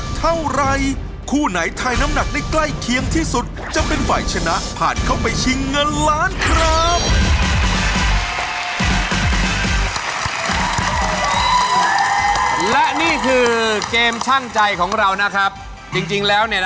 ขาโต๊ะก็กลายเป็นตัวช่วยในการบีดผ้าไปแล้ว